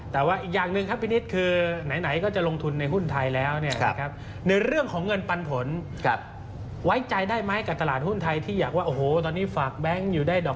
แต่ว่าอีกอย่างหนึ่งครับปีนี้คือไหนก็จะลงทุนในหุ้นไทยแล้ว